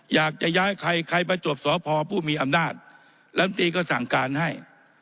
อยากจะย้ายใครใครประจบสพผู้มีอำนาจลำตีก็สั่งการให้